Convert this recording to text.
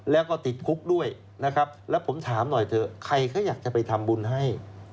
แล้วก็ติดคุกด้วยนะครับแล้วผมถามหน่อยเถอะใครเขาอยากจะไปทำบุญให้